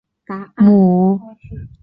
母亲是林贤妃。